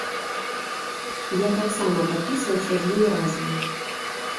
Я таксама падпісваўся з ёй разам.